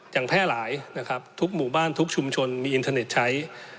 แพร่หลายนะครับทุกหมู่บ้านทุกชุมชนมีอินเทอร์เน็ตใช้